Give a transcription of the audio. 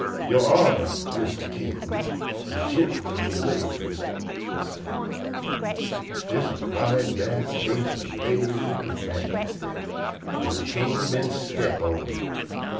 "Your Honor, Mistah King, an' gin'l'min an' ladies," he say, "dis am a right bad case ob lazy majesty, 'ca'se de king been step on.